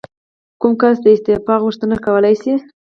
کوم کس د استعفا غوښتنه کولی شي؟